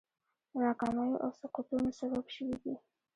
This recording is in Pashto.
د ناکامیو او سقوطونو سبب شوي دي.